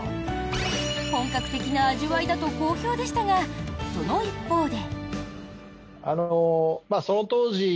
本格的な味わいだと好評でしたがその一方で。